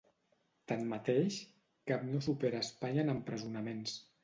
Tanmateix, cap no supera Espanya en empresonaments.